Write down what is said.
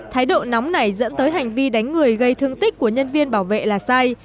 thái độ nóng này dẫn tới hành vi đánh người gây thương tích của nhân viên bảo vệ là sai